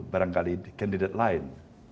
barangkali kandidat lain